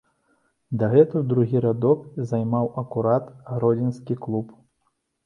Дагэтуль другі радок займаў акурат гродзенскі клуб.